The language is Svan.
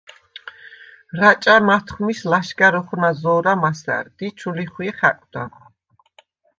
რაჭა̈ მათხვმის ლაშგა̈რ ოხვნა̈ზო̄რა მასა̈რდ ი ჩუ ლიხვიე ხა̈კვდა.